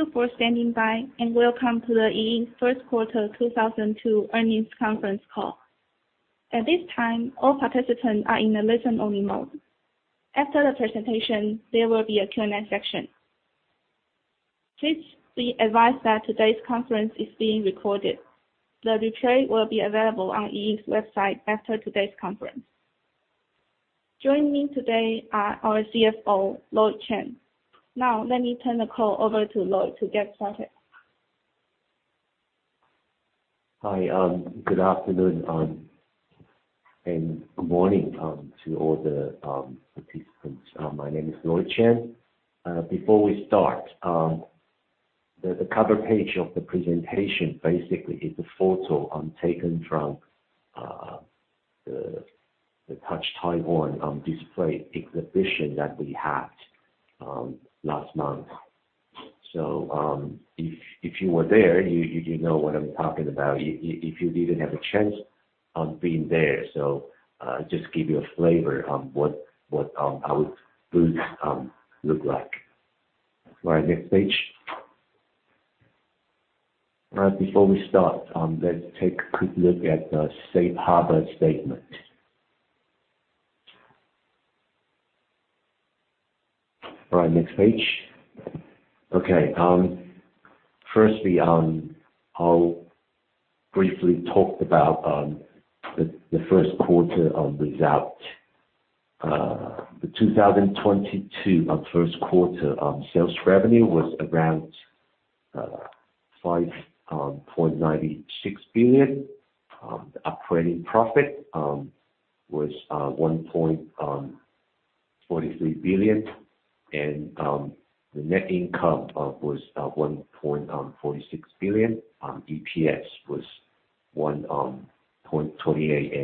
Thank you for standing by, and welcome to the E Ink First Quarter 2022 Earnings Conference Call. At this time, all participants are in a listen-only mode. After the presentation, there will be a Q&A section. Please be advised that today's conference is being recorded. The replay will be available on E Ink's website after today's conference. Joining me today are our CFO, Lloyd Chen. Now, let me turn the call over to Lloyd to get started. Hi. Good afternoon and good morning to all the participants. My name is Lloyd Chen. Before we start, the cover page of the presentation basically is a photo taken from the Touch Taiwan display exhibition that we had last month. If you were there, you do know what I'm talking about. If you didn't have a chance being there, just give you a flavor of what our booths look like. All right, next page. All right, before we start, let's take a quick look at the safe harbor statement. All right, next page. Okay. Firstly, I'll briefly talk about the first quarter result. The 2022 first quarter sales revenue was around 5.96 billion. The operating profit was 1.43 billion. The net income was 1.46 billion. EPS was 1.28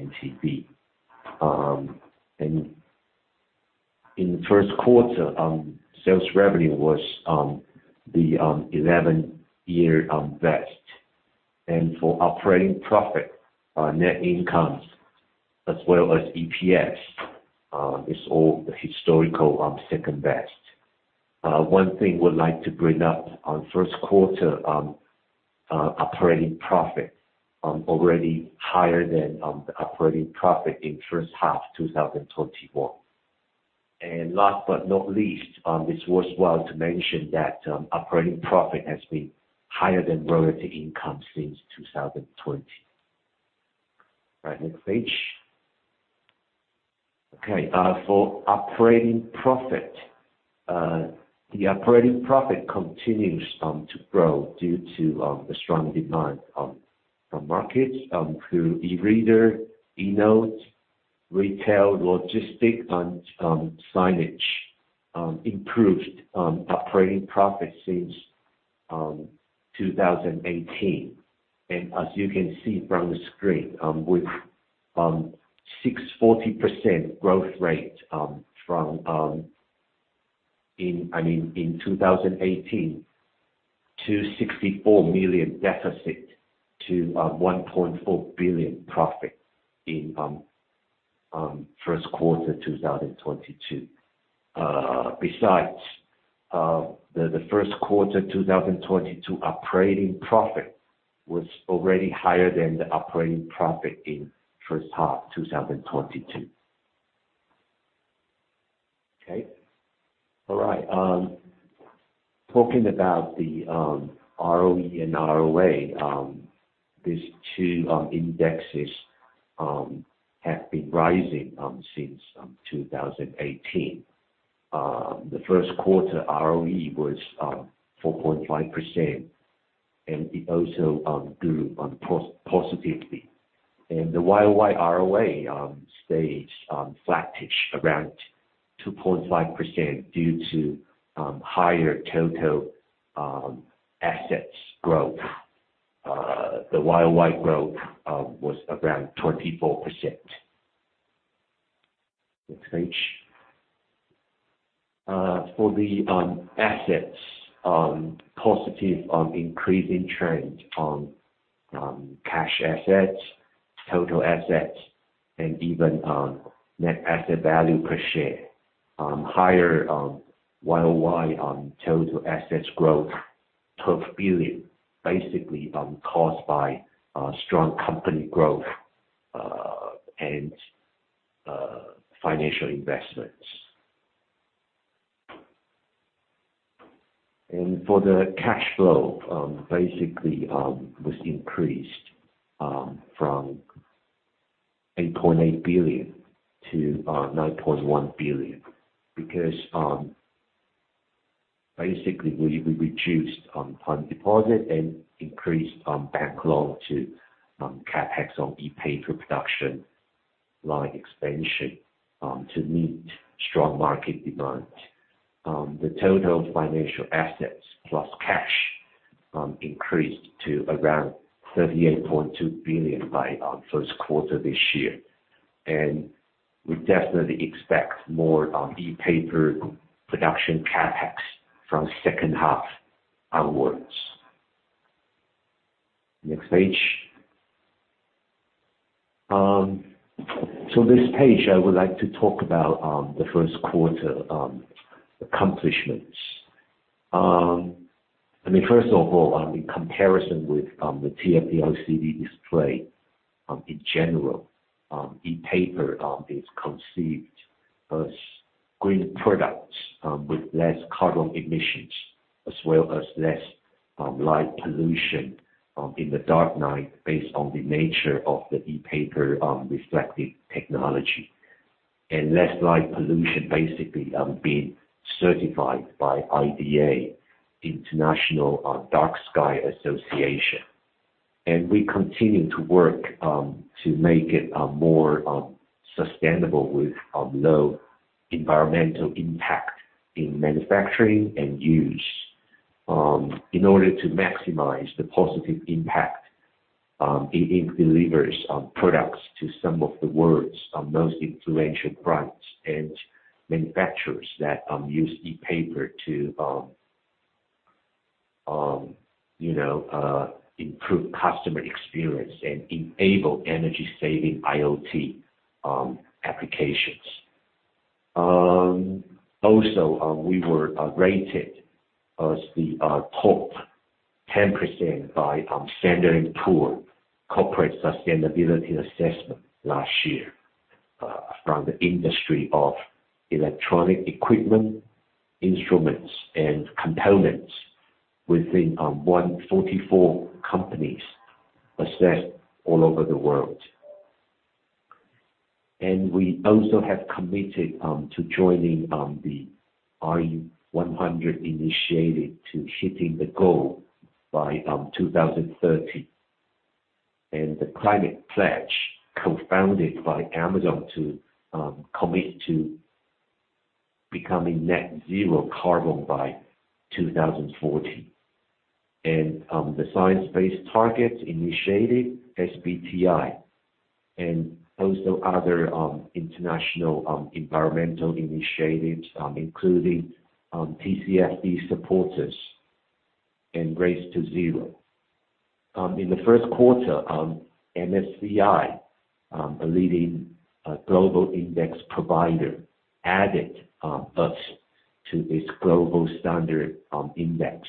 NTD. In the first quarter, sales revenue was the 11-year best. For operating profit, net income, as well as EPS, it's all the historical second best. One thing would like to bring up. First quarter operating profit already higher than the operating profit in first half 2021. Last but not least, it's worthwhile to mention that operating profit has been higher than royalty income since 2020. All right, next page. Okay. For operating profit. The operating profit continues to grow due to the strong demand from markets through eReader, eNote, retail, logistics, and signage. Improved operating profit since 2018. As you can see from the screen, with 640% growth rate, from, I mean, in 2018 to 64 million deficit to 1.4 billion profit in first quarter 2022. Besides, the first quarter 2022 operating profit was already higher than the operating profit in first half 2022. Okay. All right. Talking about the ROE and ROA. These two indexes have been rising since 2018. The first quarter ROE was 4.5%, and it also grew positively. The Y-O-Y ROA stayed flattish around 2.5% due to higher total assets growth. The Y-O-Y growth was around 24%. Next page. For the assets positive increasing trend, cash assets, total assets, and even net asset value per share. Higher Y-O-Y total assets growth 12 billion, basically caused by strong company growth and financial investments. For the cash flow, basically was increased from 8.8 billion to 9.1 billion because basically we reduced time deposit and increased bank loan to CapEx on ePaper production line expansion to meet strong market demand. The total financial assets plus cash increased to around 38.2 billion by first quarter this year. We definitely expect more on ePaper production CapEx from second half onwards. Next page. This page, I would like to talk about the first quarter accomplishments. I mean, first of all, in comparison with the TFT LCD display, in general, ePaper is conceived as green products with less carbon emissions, as well as less light pollution in the dark night based on the nature of the ePaper reflective technology, and less light pollution basically being certified by IDA, International Dark-Sky Association. We continue to work to make it more sustainable with low environmental impact in manufacturing and use, in order to maximize the positive impact it delivers on products to some of the world's most influential brands and manufacturers that use ePaper to you know improve customer experience and enable energy-saving IoT applications. Also, we were rated as the top 10% by S&P Global Corporate Sustainability Assessment last year from the industry of electronic equipment, instruments, and components within 144 companies assessed all over the world. We also have committed to joining the RE100 initiative to hit the goal by 2030. The Climate Pledge co-founded by Amazon to commit to becoming net-zero carbon by 2040. The Science Based Targets initiative, SBTI, and also other international environmental initiatives, including TCFD supporters and Race to Zero. In the first quarter, MSCI, a leading global index provider, added us to its global standard index.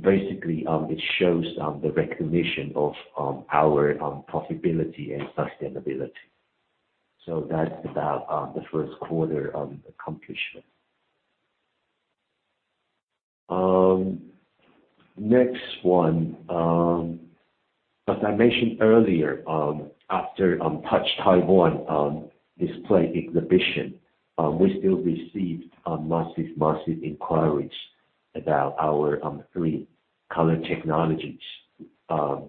Basically, it shows the recognition of our profitability and sustainability. That's about the first quarter accomplishment. Next one, as I mentioned earlier, after Touch Taiwan display exhibition, we still received massive inquiries about our three color technologies. I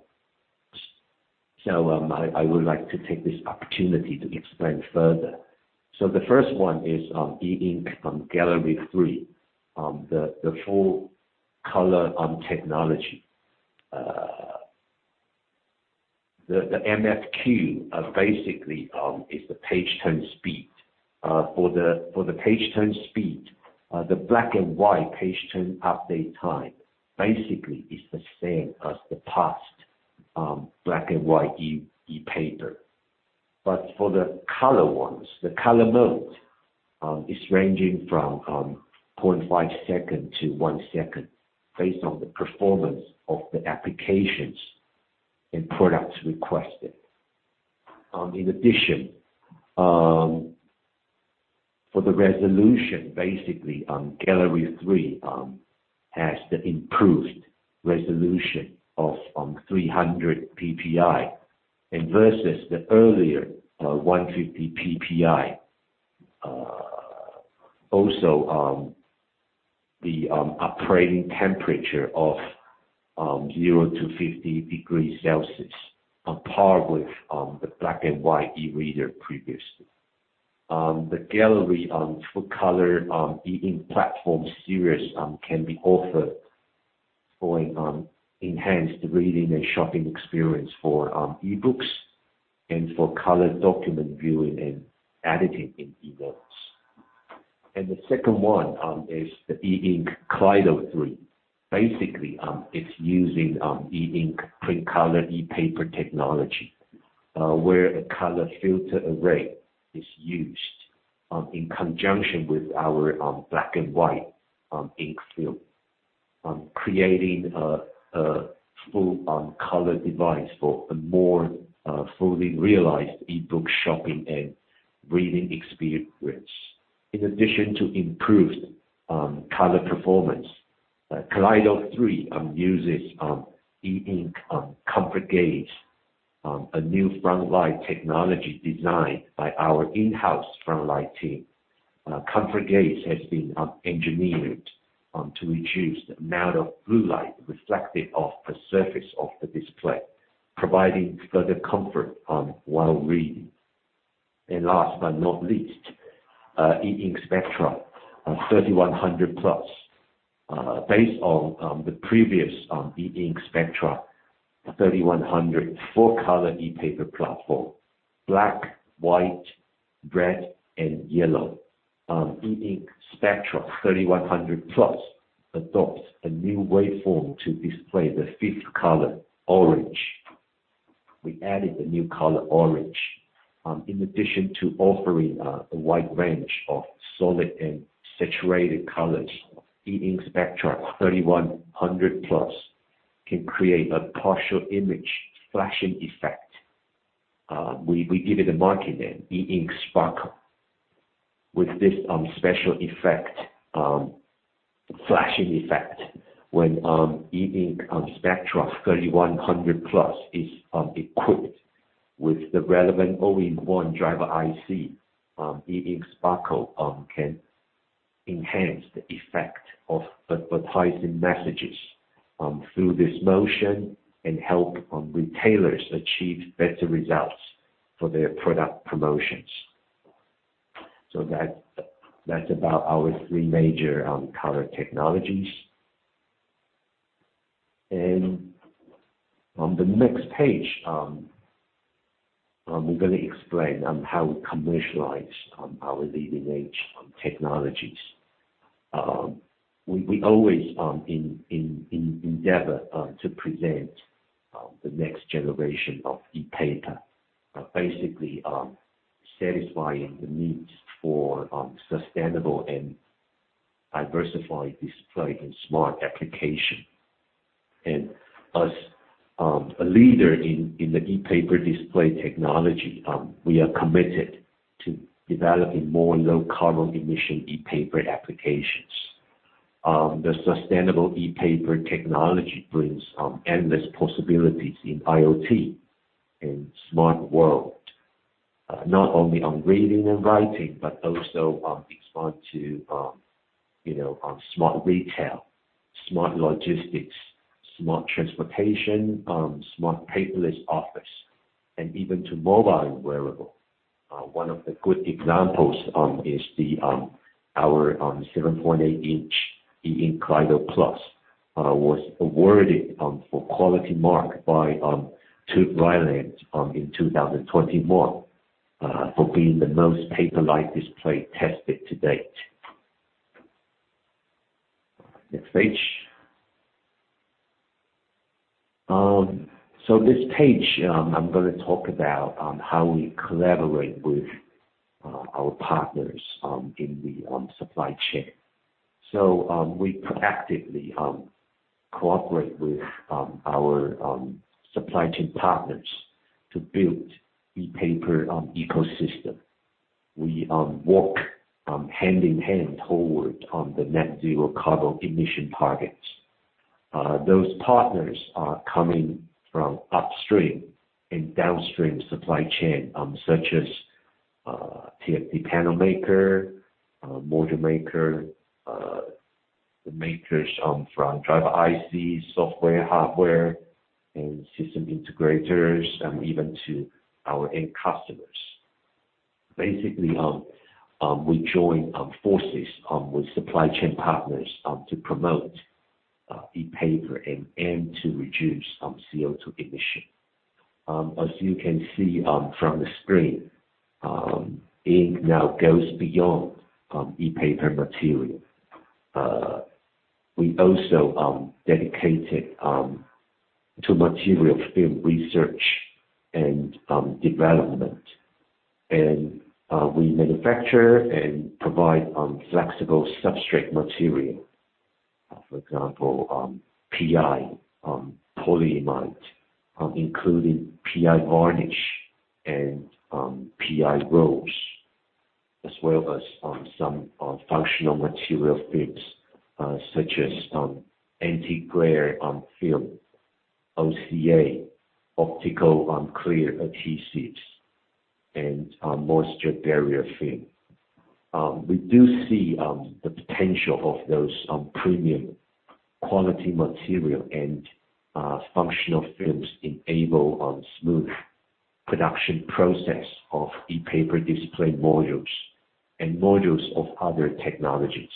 would like to take this opportunity to explain further. The first one is E Ink Gallery 3, the full-color ePaper technology. The update basically is the page turn speed. For the page turn speed, the black and white page turn update time basically is the same as the past black and white ePaper. But for the color ones, the color mode is ranging from 0.5-1 second based on the performance of the applications and products requested. In addition, for the resolution, basically, Gallery 3 has the improved resolution of 300 PPI versus the earlier 150 PPI. Also, the operating temperature of 0-50 degrees Celsius on par with the black and white eReader previously. E Ink Gallery 3 full-color platform series can be offered for enhanced reading and shopping experience for e-books and for color document viewing and editing in eNotes. The second one is the E Ink Kaleido 3. Basically, it's using E Ink Print Color ePaper technology, where a color filter array is used in conjunction with our black and white ink film, creating a full color device for a more fully realized e-book shopping and reading experience. In addition to improved color performance, Kaleido 3 uses E Ink ComfortGaze, a new front light technology designed by our in-house front light team. E Ink ComfortGaze has been engineered to reduce the amount of blue light reflected off the surface of the display, providing further comfort while reading. Last but not least, E Ink Spectra 3100 Plus, based on the previous E Ink Spectra 3100 full-color ePaper platform. Black, white, red, and yellow. E Ink Spectra 3100 Plus adopts a new waveform to display the fifth color, orange. We added the new color orange. In addition to offering a wide range of solid and saturated colors, E Ink Spectra 3100 Plus can create a partial image flashing effect. We give it a market name, E Ink Sparkle. With this special effect, flashing effect, when E Ink Spectra 3100 Plus is equipped with the relevant all-in-one driver IC, E Ink Sparkle can enhance the effect of advertising messages through this motion and help retailers achieve better results for their product promotions. That's about our three major color technologies. On the next page, we're gonna explain on how we commercialize our leading-edge technologies. We always endeavor to present the next generation of ePaper basically satisfying the needs for sustainable and diversified display in smart application. As a leader in the ePaper display technology, we are committed to developing more low carbon emission ePaper applications. The sustainable ePaper technology brings endless possibilities in IoT and smart world, not only on reading and writing, but also expand to, you know, smart retail, smart logistics, smart transportation, smart paperless office, and even to mobile wearable. One of the good examples is our 7.8-inch E Ink Kaleido Plus was awarded for quality mark by TÜV Rheinland in 2021 for being the most paper-like display tested to date. Next page. This page, I'm gonna talk about how we collaborate with our partners in the supply chain. We proactively cooperate with our supply chain partners to build ePaper ecosystem. We work hand in hand toward the net-zero carbon emission targets. Those partners are coming from upstream and downstream supply chain, such as TFT panel maker, module maker, the makers from driver ICs, software, hardware, and system integrators, and even to our end customers. Basically, we join forces with supply chain partners to promote ePaper and aim to reduce CO2 emission. As you can see from the screen, E Ink now goes beyond ePaper material. We also dedicated to material film research and development. We manufacture and provide flexible substrate material. For example, PI, polyimide, including PI varnish and PI rolls, as well as some functional material films, such as anti-glare film, OCA, optically clear adhesives, and moisture barrier film. We do see the potential of those premium quality material and functional films enable a smooth production process of ePaper display modules and modules of other technologies.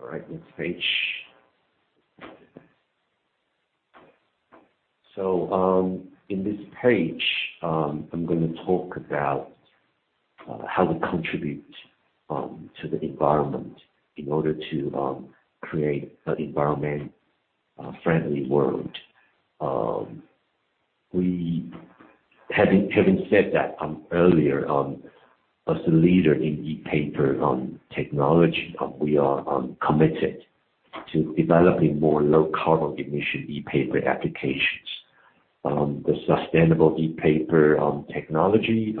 All right, next page. In this page, I'm gonna talk about how we contribute to the environment in order to create an environment friendly world. Having said that earlier, as a leader in ePaper technology, we are committed to developing more low carbon emission ePaper applications. The sustainable ePaper technology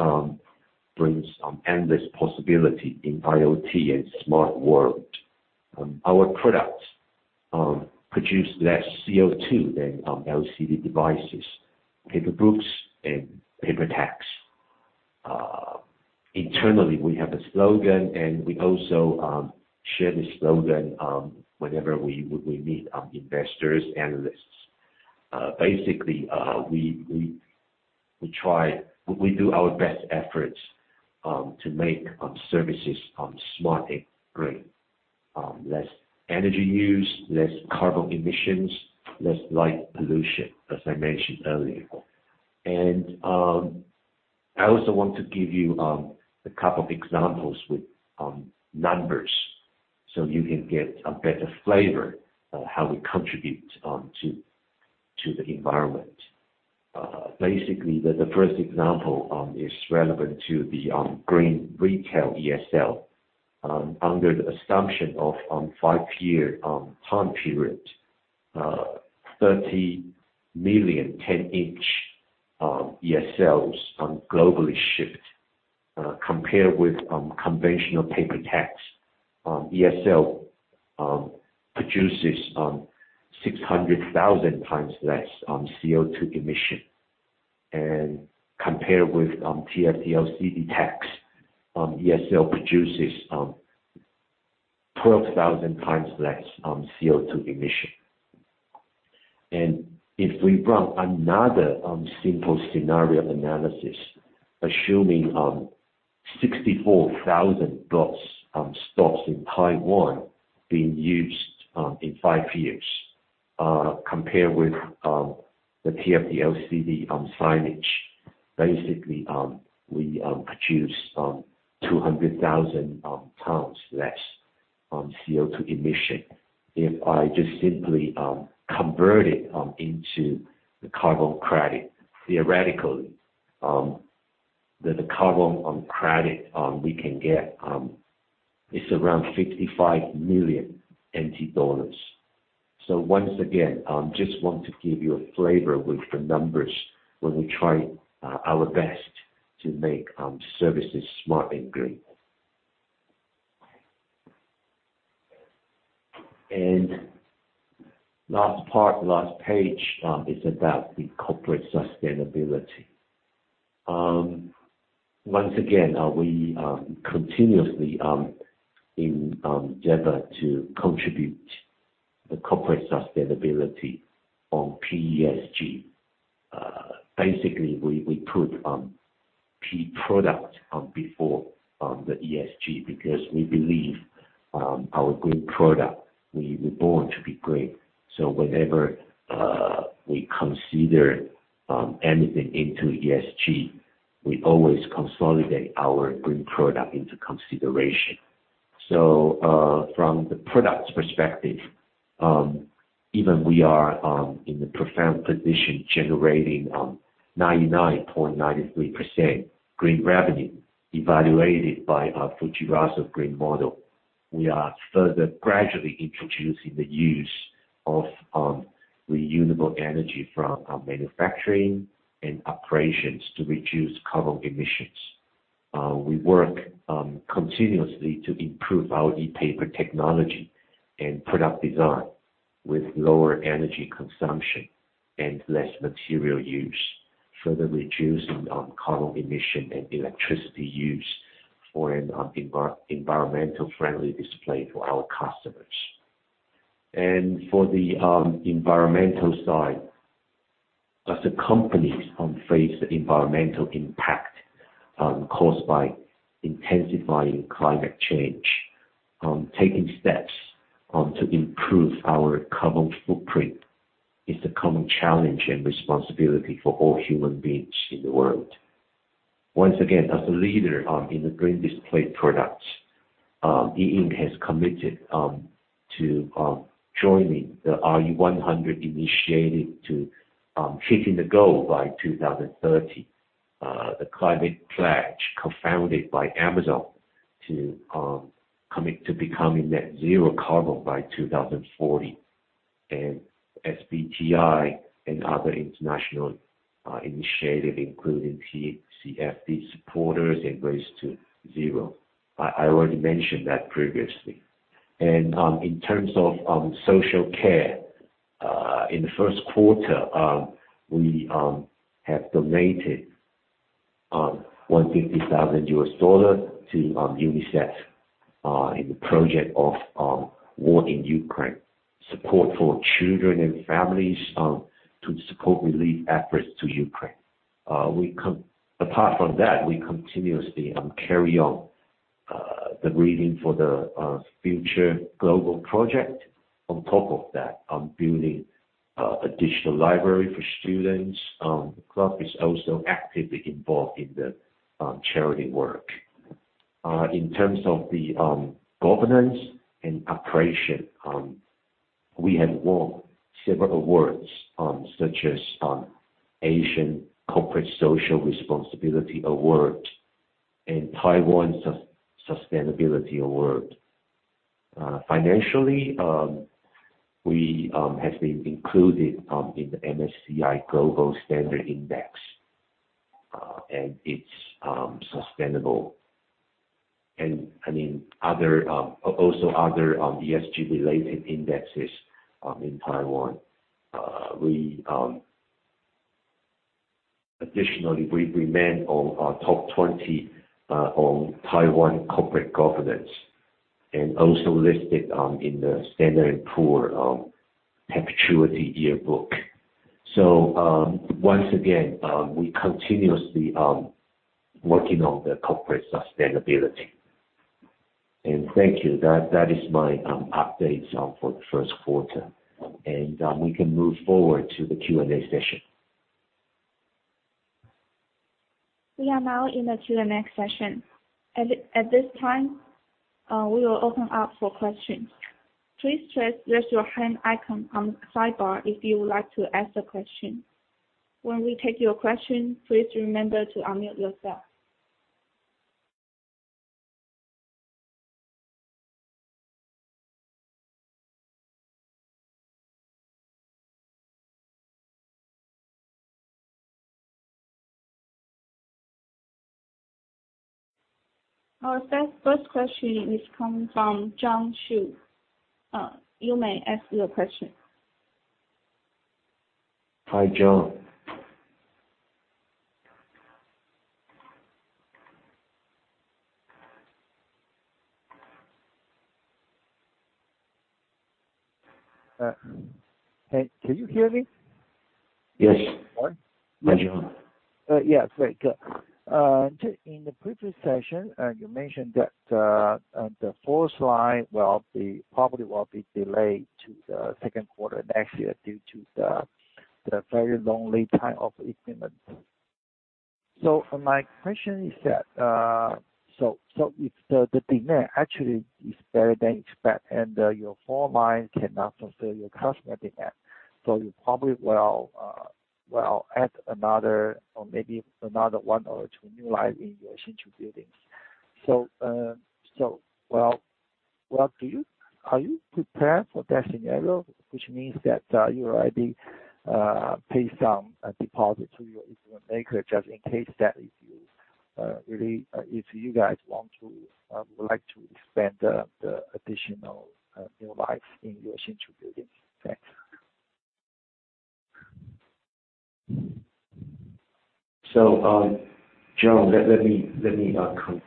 brings endless possibility in IoT and smart world. Our products produce less CO2 than LCD devices, paper books and paper text. Internally, we have a slogan, and we also share the slogan whenever we meet investors, analysts. We do our best efforts to make services smart and green. Less energy use, less carbon emissions, less light pollution, as I mentioned earlier. I also want to give you a couple of examples with numbers so you can get a better flavor of how we contribute to the environment. Basically, the first example is relevant to the green retail ESL. Under the assumption of five-year time period, 30 million 10-inch ESLs globally shipped, compared with conventional paper ESL, produces 600,000 times less CO2 emission. Compared with TFT LCD ESL produces 12,000 times less CO2 emission. If we run another simple scenario analysis, assuming 64,000 bus stops in Taiwan being used in five years, compared with the TFT LCD signage, basically we produce 200,000 tons less CO2 emission. If I just simply convert it into the carbon credit, theoretically the carbon credit we can get is around 55 million NT dollars. Once again, just want to give you a flavor with the numbers when we try our best to make services smart and green. Last part, last page is about the corporate sustainability. Once again, we continuously endeavor to contribute to corporate sustainability on ESG. Basically, we put product before the ESG because we believe our green product, we're born to be green. Whenever we consider anything into ESG, we always consolidate our green product into consideration. From the product perspective, even we are in the proud position generating 99.93% green revenue evaluated by our Fujitsu Green Model. We are further gradually introducing the use of renewable energy from our manufacturing and operations to reduce carbon emissions. We work continuously to improve our ePaper technology and product design with lower energy consumption and less material use, further reducing carbon emission and electricity use for an environmentally friendly display to our customers. For the environmental side, as the companies face the environmental impact caused by intensifying climate change, taking steps to improve our carbon footprint is a common challenge and responsibility for all human beings in the world. Once again, as a leader in the green display products, E Ink has committed to joining the RE100 Initiative to hitting the goal by 2030. The Climate Pledge co-founded by Amazon to commit to becoming net zero carbon by 2040. SBTI and other international initiative, including TCFD supporters and Race to Zero. I already mentioned that previously. In terms of social care, in the first quarter, we have donated $150,000 to UNICEF in the project of war in Ukraine, support for children and families, to support relief efforts to Ukraine. Apart from that, we continuously carry on the Read for the Future global project. On top of that, building a digital library for students. The club is also actively involved in the charity work. In terms of the governance and operation, we have won several awards, such as Asia Responsible Enterprise Award and Taiwan Corporate Sustainability Award. Financially, we have been included in the MSCI Global Standard Index. It's sustainable. I mean, other ESG related indexes in Taiwan. We additionally remain on top 20 on Taiwan Corporate Governance and also listed in the S&P Global Sustainability Yearbook. Once again, we continuously working on the corporate sustainability. Thank you. That is my updates for the first quarter. We can move forward to the Q&A session. We are now in the Q&A session. At this time, we will open up for questions. Please press the raise your hand icon on the sidebar if you would like to ask a question. When we take your question, please remember to unmute yourself. Our first question is coming from John Xu. You may ask your question. Hi, John. Can you hear me? Yes. All right. Hi, John. Yeah. Very good. Just in the previous session, you mentioned that the fourth line will probably be delayed to the second quarter next year due to the very long lead time of equipment. My question is that if the demand actually is better than expected, and your four lines cannot fulfill your customer demand. You probably will add another or maybe another one or two new lines in your Hsinchu buildings. Are you prepared for that scenario, which means that you already pay some deposit to your equipment maker just in case that if you really if you guys want to like to expand the additional new lines in your Hsinchu buildings. Thanks. John, let me confirm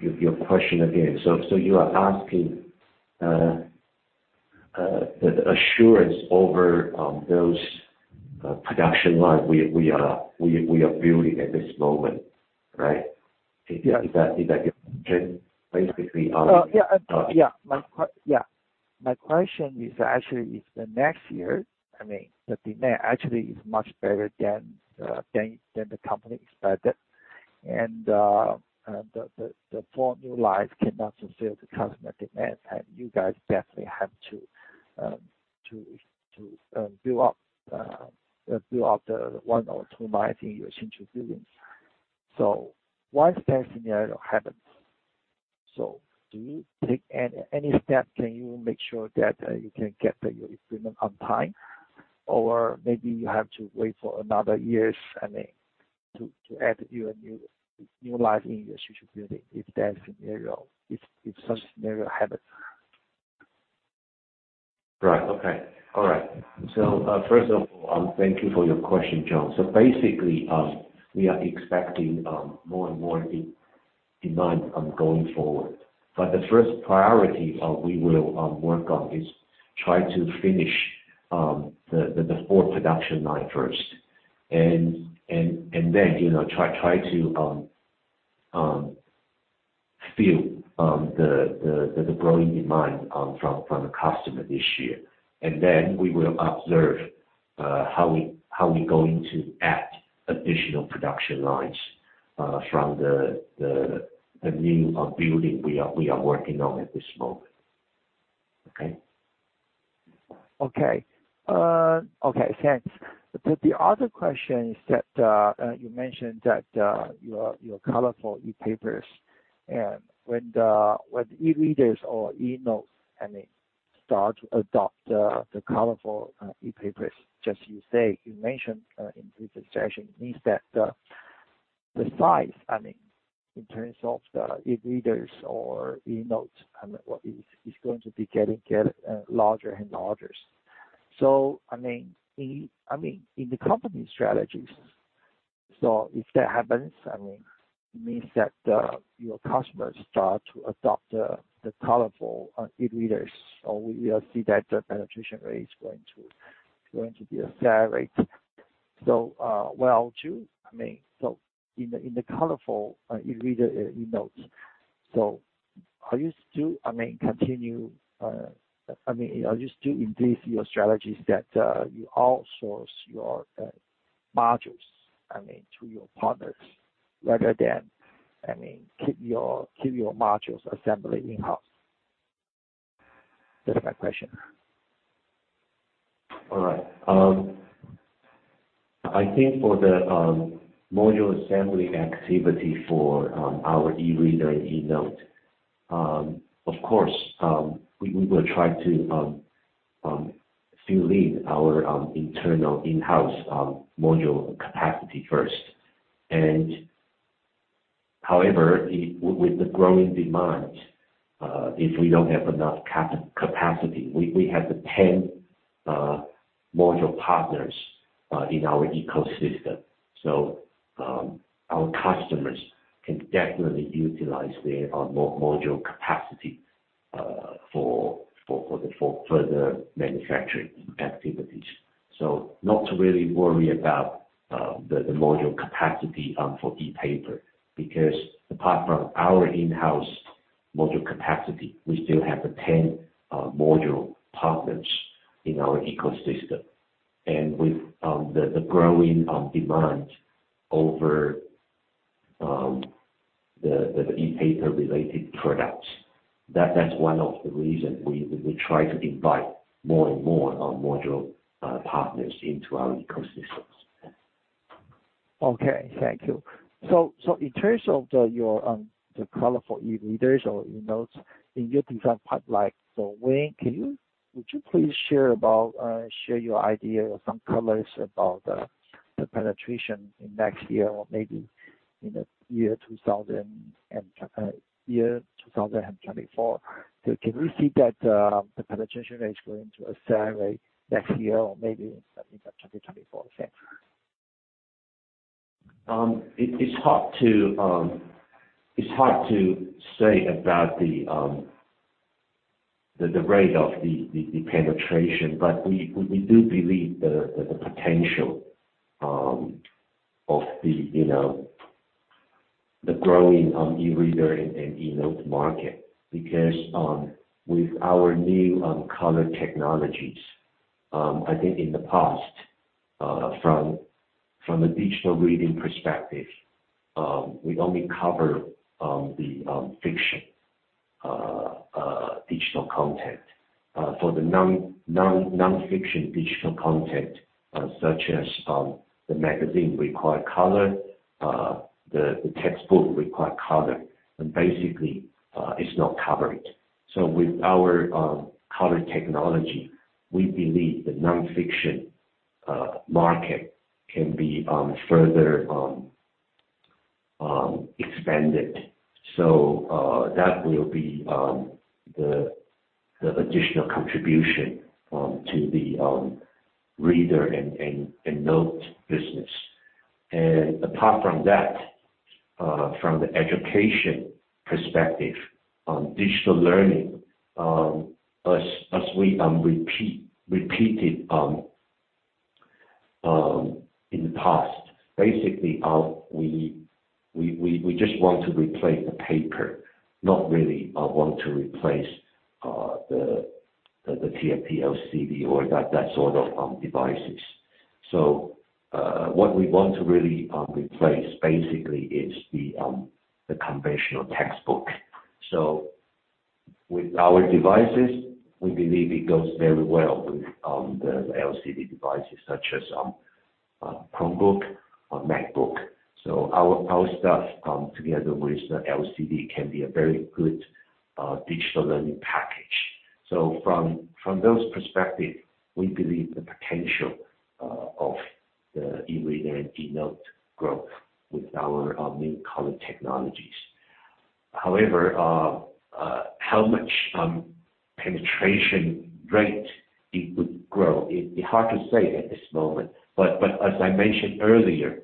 your question again. You are asking the assurance over those production line we are building at this moment, right? Yeah. Is that your question? Well, yeah. My question is actually if the next year, I mean, the demand actually is much better than the company expected. The four new lines cannot fulfill the customer demand, and you guys definitely have to build up the one or two lines in your Hsinchu buildings. Once that scenario happens, do you take any step? Can you make sure that you can get the equipment on time? Or maybe you have to wait for another years, I mean, to add your new line in your Hsinchu building if that scenario, if such scenario happens. Right. Okay. All right. First of all, thank you for your question, John. Basically, we are expecting more and more demand going forward. The first priority we will work on is try to finish the four production line first and then, you know, try to fill the growing demand from the customer this year. Then we will observe how we're going to add additional production lines from the new building we are working on at this moment. Okay. Okay. Okay, thanks. The other question is that you mentioned that your colorful ePapers and when eReaders or eNotes, I mean, start to adopt the colorful ePapers, just you say, you mentioned in previous session, means that the size, I mean, in terms of the eReaders or eNotes, I mean, what is going to get larger and larger. I mean, in the company strategies, so if that happens, I mean, it means that your customers start to adopt the colorful eReaders, or we will see that the penetration rate is going to be accelerate. In the colorful eReader, eNote, so are you still increase your strategies that you outsource your modules, I mean, to your partners rather than, I mean, keep your modules assembly in-house? That's my question. All right. I think for the module assembly activity for our eReader and eNote, of course, we will try to fill in our internal in-house module capacity first. However, with the growing demand, if we don't have enough capacity, we have the 10 module partners in our ecosystem. Our customers can definitely utilize their module capacity for further manufacturing activities. Not to really worry about the module capacity for ePaper, because apart from our in-house module capacity, we still have the 10 module partners in our ecosystem. With the growing demand for the ePaper-related products, that's one of the reasons we try to invite more and more module partners into our ecosystems. Okay, thank you. In terms of the color for eReaders or eNotes in your design pipeline, would you please share your idea or some colors about the penetration in next year or maybe in the year 2024? Can we see that the penetration rate is going to accelerate next year or maybe in second half 2024? Thanks. It's hard to say about the rate of the penetration, but we do believe the potential, you know, of the growing of eReader and eNote market, because with our new color technologies, I think in the past, from a digital reading perspective, we only cover the fiction digital content. For the non-fiction digital content, such as the magazine require color, the textbook require color, and basically, it's not covered. With our color technology, we believe the non-fiction market can be further expanded. That will be the additional contribution to the reader and note business. Apart from that, from the education perspective on digital learning, as we repeated in the past, basically, we just want to replace the paper, not really want to replace the TFT LCD or that sort of devices. What we want to really replace basically is the conventional textbook. With our devices, we believe it goes very well with the LCD devices such as Chromebook or MacBook. Our stuff together with the LCD can be a very good digital learning package. From those perspective, we believe the potential of the eReader and eNote growth with our new color technologies. However, how much penetration rate it would grow, it'd be hard to say at this moment, but as I mentioned earlier,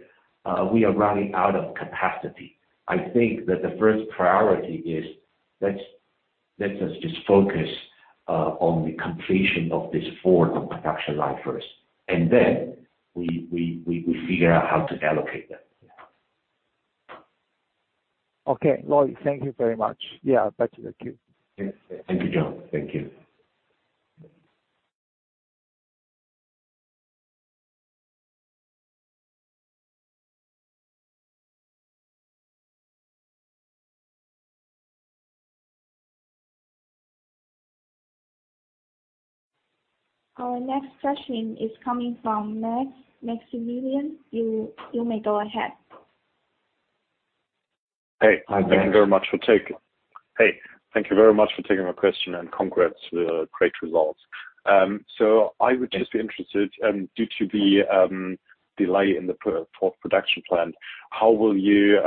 we are running out of capacity. I think that the first priority is let us just focus on the completion of this fourth production line first, and then we figure out how to allocate that. Yeah. Okay. Lloyd, thank you very much. Yeah, back to the queue. Yes. Thank you, John. Thank you. Our next question is coming from Max, Maximilian. You may go ahead. Hey. Hi, Max. Thank you very much for taking my question, and congrats with great results. I would just- Yes. Interested, due to the delay in the Q4 production plan, how will you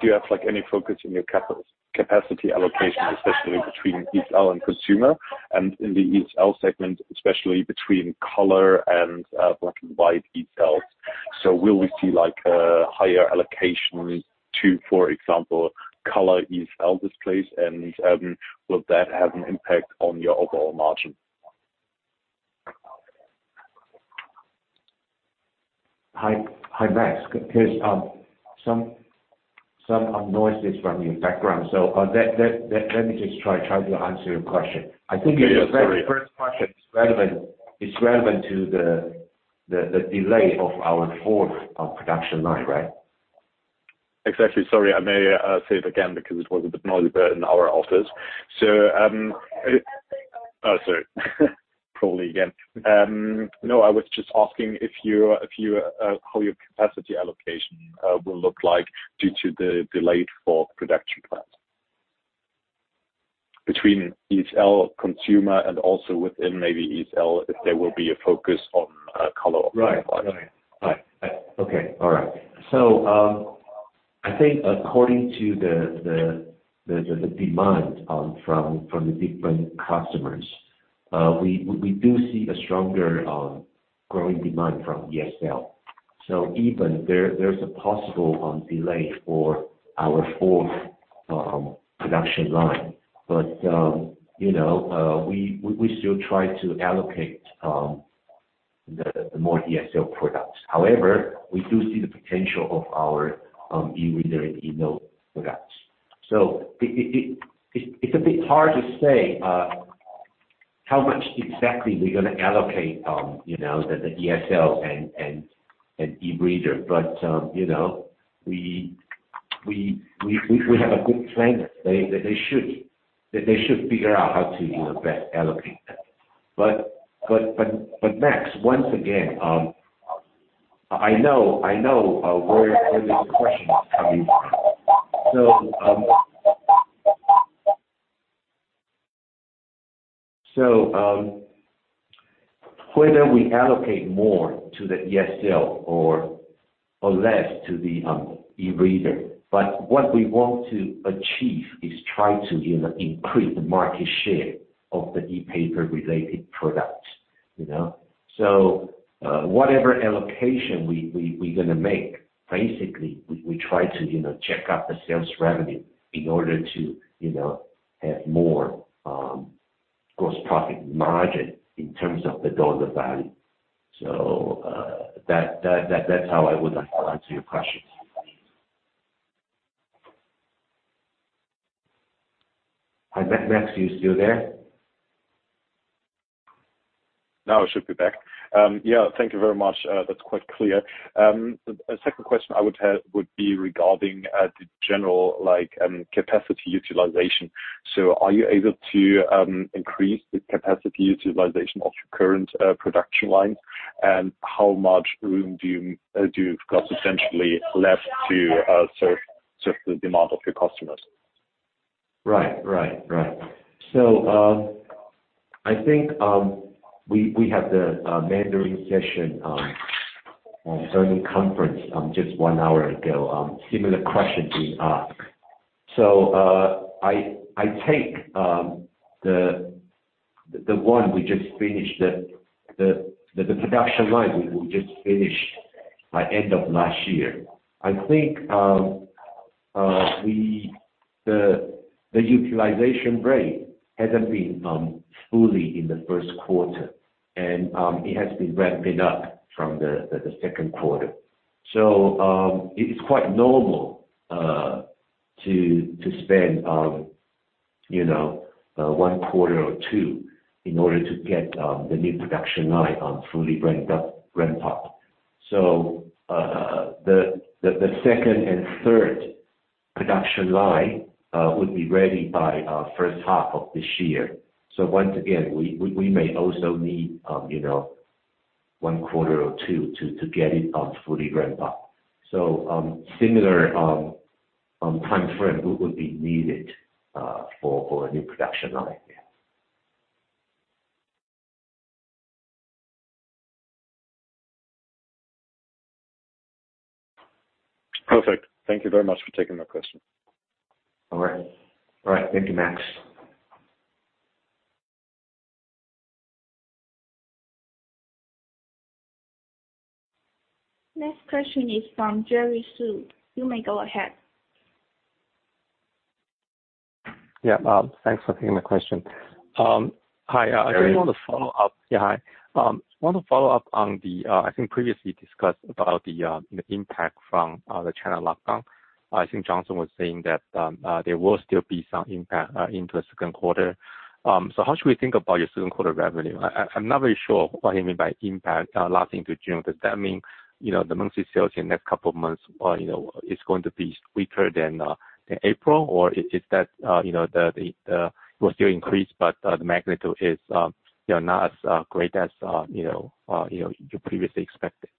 do you have any focus in your capacity allocation, especially between ESL and consumer, and in the ESL segment, especially between color and black and white ESLs? Will we see a higher allocation to, for example, color ESL displays, and will that have an impact on your overall margin? Hi, Max. Some noises from your background. Let me just try to answer your question. I think your first question. Yeah, yeah. Sorry. is relevant to the delay of our fourth production line, right? Exactly. Sorry. I may say it again because it was a bit noisy in our office. Sorry. Probably again. No, I was just asking how your capacity allocation will look like due to the delayed fourth production plan between ESL, consumer, and also within maybe ESL, if there will be a focus on color or black and white. All right. I think according to the demand from the different customers, we do see a stronger growing demand from ESL. Even there's a possible delay for our fourth production line. You know, we still try to allocate more ESL products. However, we do see the potential of our eReader and eNote products. It's a bit hard to say how much exactly we're gonna allocate, you know, the ESL and eReader. You know, we have a good plan that they should figure out how to best allocate that. Max, once again, I know where the question is coming from. Whether we allocate more to the ESL or less to the eReader, what we want to achieve is try to increase the market share of the ePaper related products, you know. Whatever allocation we're gonna make, basically we try to check up the sales revenue in order to have more gross profit margin in terms of the dollar value. That's how I would answer your question. Hi, Max. Max, you still there? Now I should be back. Yeah, thank you very much. That's quite clear. A second question I would have would be regarding the general like capacity utilization. Are you able to increase the capacity utilization of your current production line? How much room do you have essentially left to serve the demand of your customers? Right. I think we had the Mandarin session, earnings conference just one hour ago. Similar question being asked. I take the one we just finished, the production line we just finished by end of last year. I think the utilization rate hasn't been fully in the first quarter, and it has been ramping up from the second quarter. It is quite normal to spend, you know, one quarter or two in order to get the new production line fully ramped up. The second and third production line would be ready by first half of this year. Once again, we may also need, you know, one quarter or two to get it fully ramped up. Similar timeframe would be needed for a new production line. Perfect. Thank you very much for taking my question. All right. Thank you, Max. Next question is from Jerry Su. You may go ahead. Yeah. Thanks for taking the question. Hi. Jerry. I just want to follow up. Yeah, hi. I want to follow up on the, I think previously discussed about the impact from the China lockdown. I think Johnson was saying that, there will still be some impact into the second quarter. So how should we think about your second quarter revenue? I'm not very sure what you mean by impact lasting to June. Does that mean, you know, the monthly sales in the next couple of months, you know, is going to be weaker than April? Or is that, you know, the will still increase but, the magnitude is, you know, not as great as, you know, you previously expected?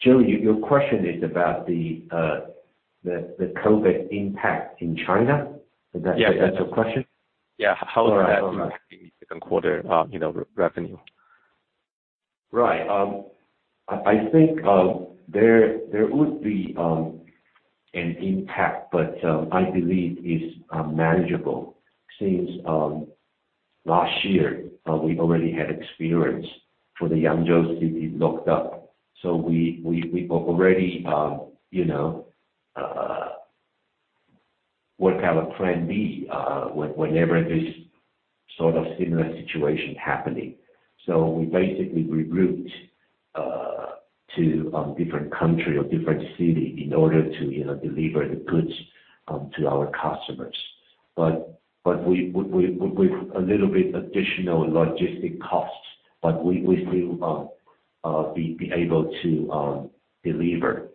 Jerry, your question is about the COVID impact in China? Is that? Yeah. Is that your question? Yeah. All right. How is that impacting the second quarter, you know, revenue? Right. I think there would be an impact, but I believe it's manageable since last year we already had experience for the Yangzhou city locked up. We've already, you know, worked out a plan B when this sort of similar situation happens. We basically reroute to different country or different city in order to, you know, deliver the goods to our customers. But we've a little bit additional logistics costs, but we still be able to deliver.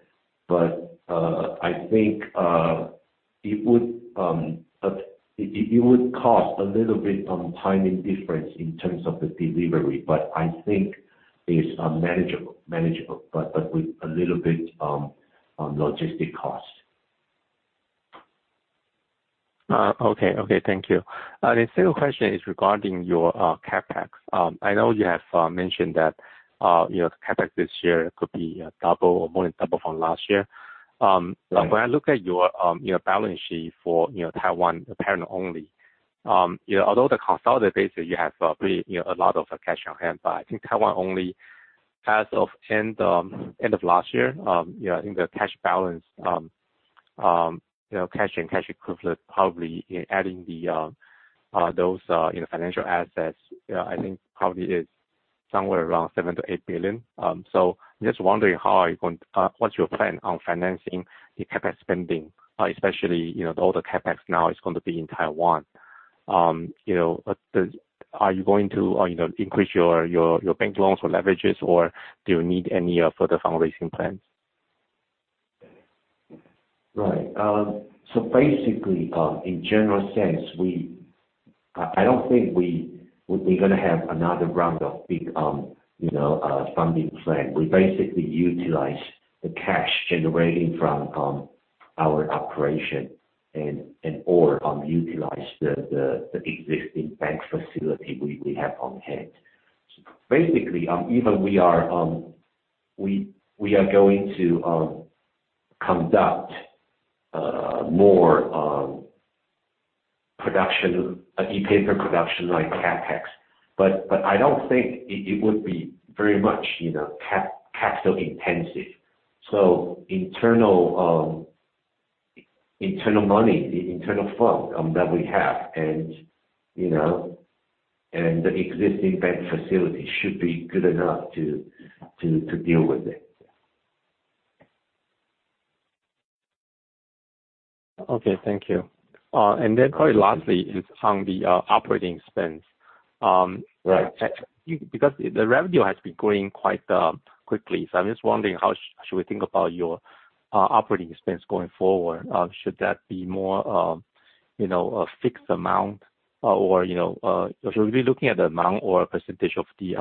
I think it would cost a little bit timing difference in terms of the delivery, but I think it's manageable, but with a little bit logistics cost. Okay. Okay, thank you. The second question is regarding your CapEx. I know you have mentioned that your CapEx this year could be double or more than double from last year. When I look at your balance sheet for, you know, Taiwan parent only, you know, although the consolidated you have pretty, you know, a lot of cash on hand, but I think Taiwan only as of end of last year, you know, I think the cash balance, you know, cash and cash equivalent, probably adding those financial assets, I think probably is somewhere around 7 billion-8 billion. So just wondering how are you going. What's your plan on financing the CapEx spending, especially, you know, all the CapEx now is gonna be in Taiwan. You know, are you going to, you know, increase your bank loans or leverages, or do you need any further fundraising plans? Right. Basically, in general sense, I don't think we're gonna have another round of big, you know, funding plan. We basically utilize the cash generating from our operation and or utilize the existing bank facility we have on hand. Basically, even we are going to conduct more production of ePaper production like CapEx. But I don't think it would be very much, you know, capital intensive. Internal money, internal fund that we have and, you know, and the existing bank facility should be good enough to deal with it. Okay. Thank you. Probably lastly is on the operating expense. Right. Because the revenue has been growing quite quickly, so I'm just wondering how should we think about your operating expense going forward? Should that be more, you know, a fixed amount or, you know, should we be looking at the amount or a percentage of the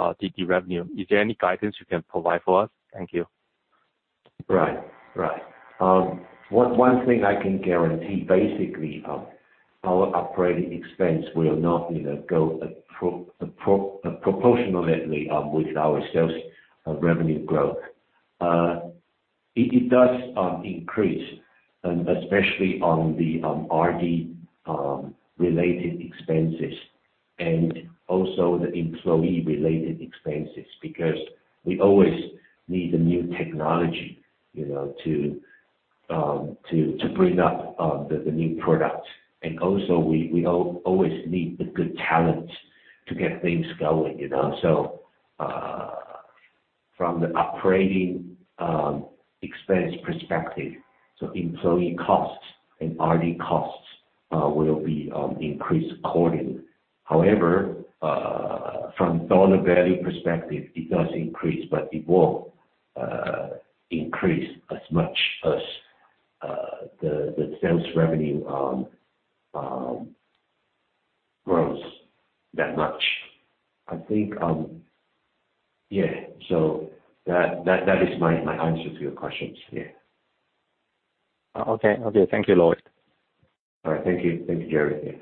revenue? Is there any guidance you can provide for us? Thank you. Right. Right. One thing I can guarantee, basically, our operating expense will not, you know, go proportionally with our sales revenue growth. It does increase, especially on the R&D related expenses and also the employee-related expenses, because we always need the new technology, you know, to bring up the new products. We always need the good talent to get things going, you know. From the operating expense perspective, employee costs and R&D costs will be increased accordingly. However, from dollar value perspective, it does increase, but it won't increase as much as the sales revenue grows that much. I think. Yeah. That is my answer to your questions. Yeah. Okay. Thank you, Lloyd. All right. Thank you. Thank you, Jerry.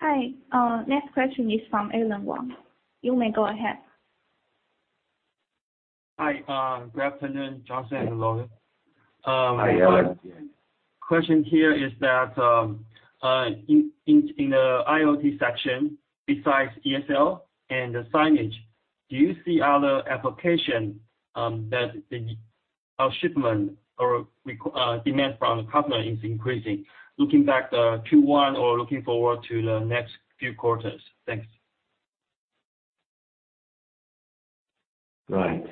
Hi. Next question is from Alan Wong. You may go ahead. Hi. Good afternoon, Johnson and Lloyd. Hi, Alan. My question here is that, in the IoT section, besides ESL and the signage, do you see other application that or shipment or demand from the customer is increasing? Looking back the Q1 or looking forward to the next few quarters. Thanks. Right.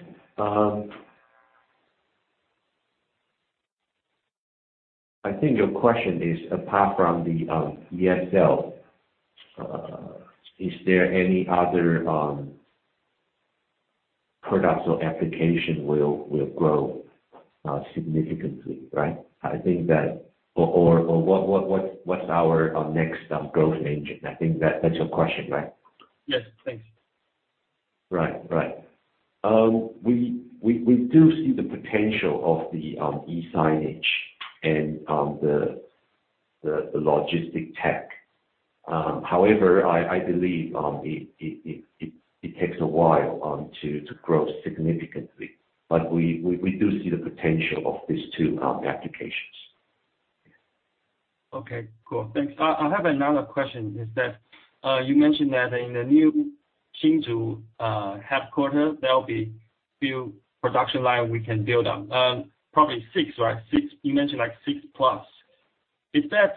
I think your question is, apart from the ESL, is there any other products or application will grow significantly, right? What's our next growth engine? I think that's your question, right? Yes. Thanks. Right. We do see the potential of the e-signage and the logistics tech. However, I believe it takes a while to grow significantly. We do see the potential of these two applications. Okay. Cool. Thanks. I have another question. You mentioned that in the new Hsinchu headquarters, there'll be few production line we can build on. Probably six, right? You mentioned like six plus. Is that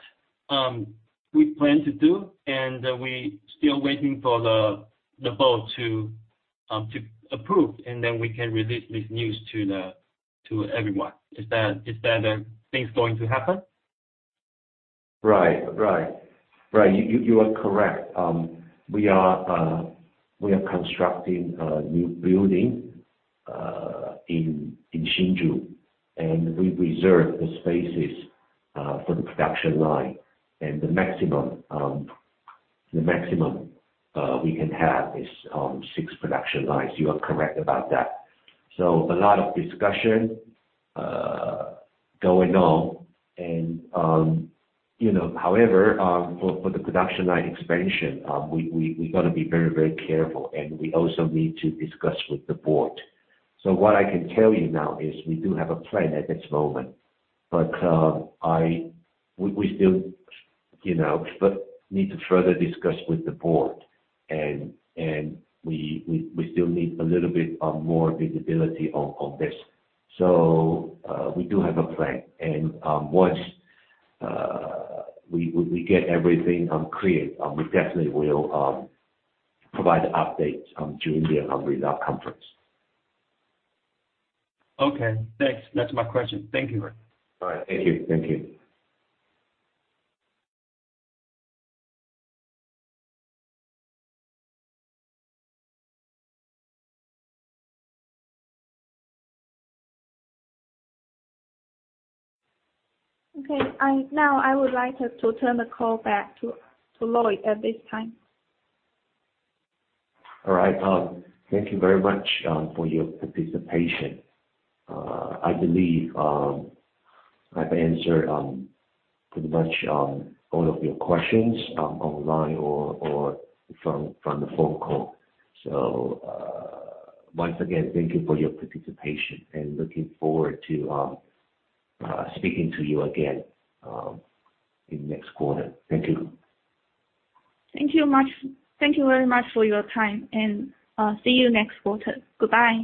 we plan to do and we still waiting for the board to approve and then we can release this news to everyone. Is that a thing going to happen? You are correct. We are constructing a new building in Hsinchu, and we reserved the spaces for the production line. The maximum we can have is six production lines. You are correct about that. A lot of discussion going on, you know, however, for the production line expansion, we gotta be very careful and we also need to discuss with the board. What I can tell you now is we do have a plan at this moment, but we still need to further discuss with the board and we still need a little bit more visibility on this. We do have a plan. Once we get everything clear, we definitely will provide updates during the result conference. Okay, thanks. That's my question. Thank you. All right. Thank you. Thank you. Okay. Now, I would like us to turn the call back to Lloyd at this time. All right. Thank you very much for your participation. I believe I've answered pretty much all of your questions online or from the phone call. Once again, thank you for your participation, and looking forward to speaking to you again in next quarter. Thank you. Thank you much. Thank you very much for your time and, see you next quarter. Goodbye.